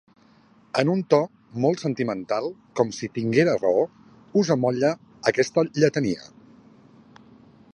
En un to molt sentimental, com si tinguera raó, us amolle aquesta lletania: